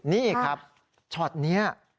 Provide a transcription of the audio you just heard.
นี่ครับช็อตนี้